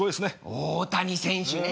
大谷選手ねえ。